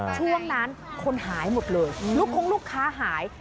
ช่วงนั้นคนหายหมดเลยลูกคงลูกค้าหาย